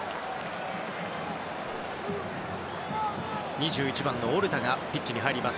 ２１番のオルタがピッチに入ります。